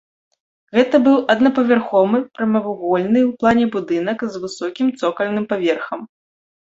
Гэта быў аднапавярховы прамавугольны ў плане будынак з высокім цокальным паверхам.